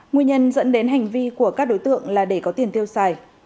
nguyên nhân dẫn đến hành vi của các đối tượng là để có tiền tiêu xài